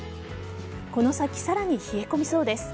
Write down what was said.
この先さらに冷え込みそうです。